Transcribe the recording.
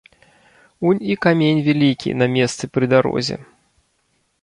Унь і камень вялікі на месцы пры дарозе.